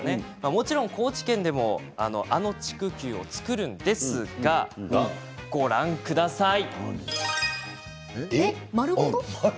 もちろん高知県でもあのちくきゅうを作るんですがご覧ください。